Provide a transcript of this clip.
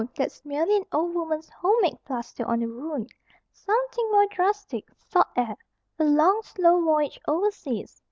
That's merely an old woman's home made plaster on the wound. Something more drastic. Salt air. A long, slow voyage, overseas.